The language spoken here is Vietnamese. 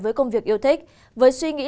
với công việc yêu thích với suy nghĩ